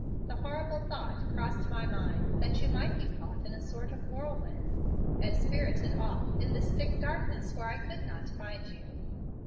The horrible thought crossed my mind that you might be caught in a sort of whirlwind and spirited off in this thick darkness where I could not find you."